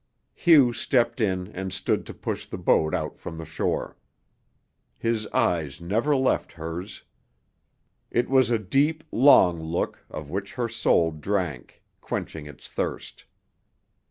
Hugh stepped in and stood to push the boat out from the shore. His eyes never left hers. It was a deep, long look of which her soul drank, quenching its thirst.